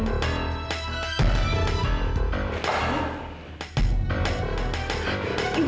terima kasih ya ma